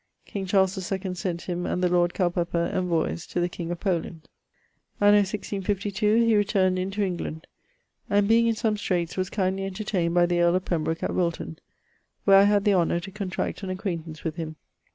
King Charles II sent him and the lord Culpepper envoyes to the king of Poland,.... Anno 1652, he returned into England, and being in some straights was kindly entertayned by the earle of Pembroke at Wilton, where I had the honour to contract an acquaintance with him.